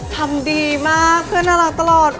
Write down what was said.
ทำดีมากเพื่อนน่ารักตลอด